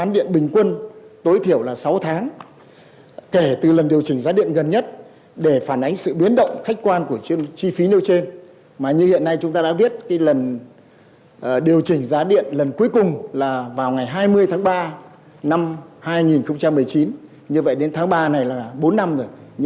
liên quan tới kiến nghị của evn